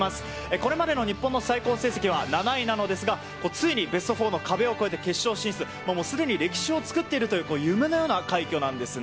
これまでの日本の最高成績は７位なのですが、ついにベストフォーの壁を越えて決勝進出、すでに歴史を作っているという、夢のような快挙なんですね。